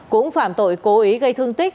cũng phạm tội cố ý gây thương tích